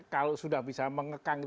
kalau sudah bisa mengekang